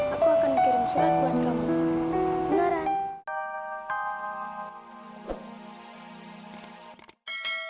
aku akan kirim surat buat kamu